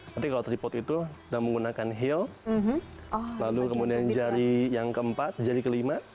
tapi kalau tripod itu kita menggunakan heel lalu kemudian jari yang keempat jari kelima